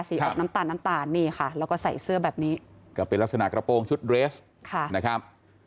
ออกน้ำตาลน้ำตาลนี่ค่ะแล้วก็ใส่เสื้อแบบนี้ก็เป็นลักษณะกระโปรงชุดเรสค่ะนะครับ